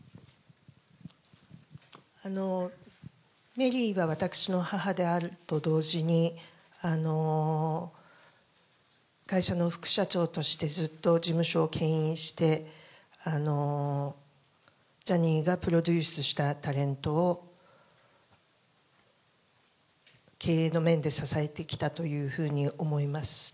メリーは私の母であると同時に、会社の副社長としてずっと事務所をけん引して、ジャニーがプロデュースしたタレントを経営の面で支えてきたというふうに思います。